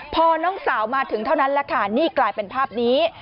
พอน้องสาวมาถึงเท่านั้นแหละค่ะนี่กลายเป็นภาพนี้